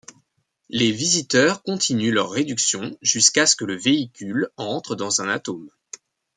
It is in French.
Les visiteurs continuent leur réduction jusqu'à ce que le véhicule entre dans un atome.